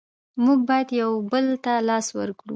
موږ باید یو بل ته لاس ورکړو.